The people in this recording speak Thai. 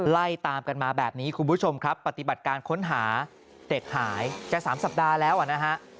ไล่ตามกันมาแบบนี้คุณผู้ชมครับปฏิบัติการค้นหาเด็กหายจะ๓สัปดาห์แล้วอ่ะนะฮะ